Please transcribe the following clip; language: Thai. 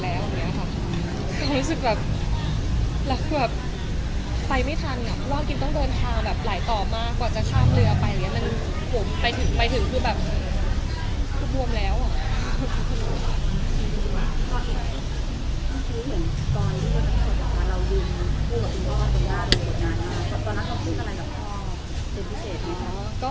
กว่าจะข้ามเรือไปละอีกแล้วมันปรับไปไปถึงไปถึงคู่แบบถึงอ่อแล้วอ่ะ